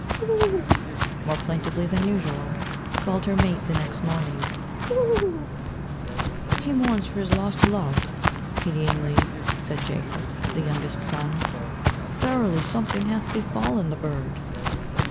"Coo o o," more plaintively than usual, called her mate the next morning. "Co o o o." "He mourns for his lost love," pityingly said Japheth, the youngest son. "Verily, something hath befallen the bird!"